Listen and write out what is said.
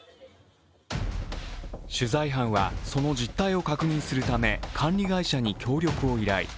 取材班は、その実態を確認するため管理会社に協力を依頼。